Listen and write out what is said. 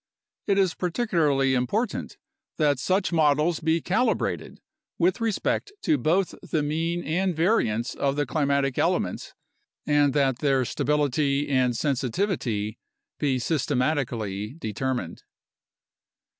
It is particularly important that such models be calibrated with respect to both the mean and variance of the climatic elements and that their stability and sensitivity be systematically determined.